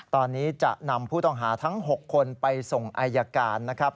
ตอนนี้จะนำผู้ต้องหาทั้ง๖คนไปส่งอายการนะครับ